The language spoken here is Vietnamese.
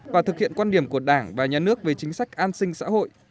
và thực hiện quan điểm của đảng và nhà nước về chính sách an sinh xã hội